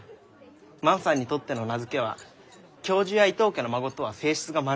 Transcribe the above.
万さんにとっての名付けは教授や伊藤家の孫とは性質がまるで違う。